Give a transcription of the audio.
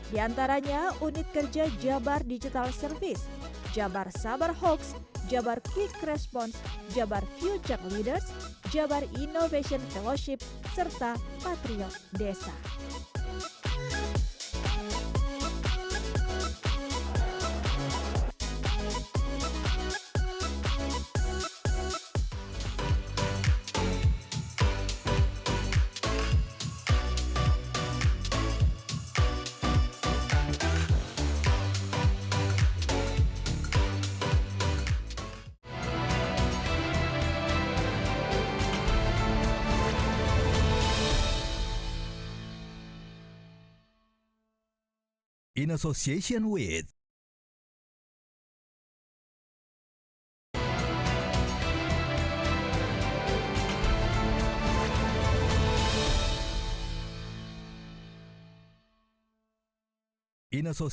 di antaranya unit kerja jabar digital service jabar sabar hoax jabar quick response jabar future leaders jabar innovation fellowship serta patriot desa